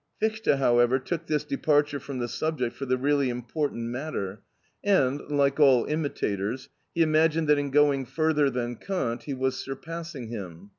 Fichte, however, took this departure from the subject for the really important matter, and like all imitators, he imagined that in going further than Kant he was surpassing him.